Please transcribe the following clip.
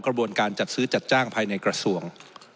กระบวนการจัดซื้อจัดจ้างภายในกระทรวง